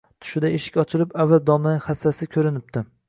Tushida eshik ochilib, avval domlaning hassasi ko‘rinibdi.